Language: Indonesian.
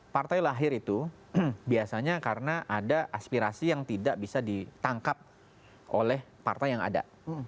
partai lahir itu biasanya karena ada aspirasi yang tidak bisa ditangkap oleh partai yang ada